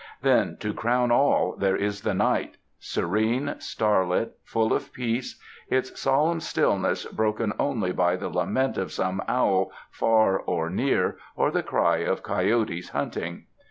Then, to crown all, there is the night — serene, starlit, full of peace, its solemn stillness broken only by the lament of some owl far or near, or the cry of coyotes hunting.